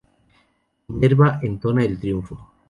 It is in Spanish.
Minerva entona el triunfo.